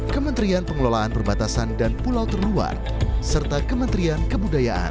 kementerian pengelolaan perbatasan dan pulau terluar serta kementerian kebudayaan